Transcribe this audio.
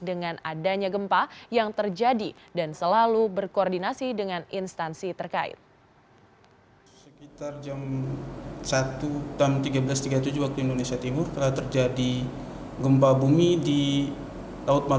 dengan adanya gempa yang terjadi dan selalu berkoordinasi dengan instansi terkait